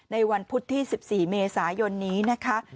ในวันพุธที่๑๔เมษายนนี้นะคะ